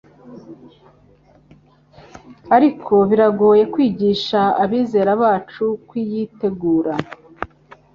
Ariko biragoye kwigisha abizera bacu kuyitegura